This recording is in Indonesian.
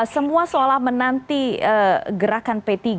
semua seolah menanti gerakan p tiga